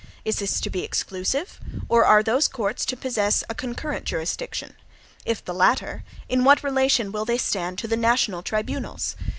Is this to be exclusive, or are those courts to possess a concurrent jurisdiction? If the latter, in what relation will they stand to the national tribunals?